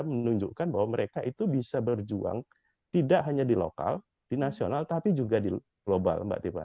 menunjukkan bahwa mereka itu bisa berjuang tidak hanya di lokal di nasional tapi juga di global mbak tipa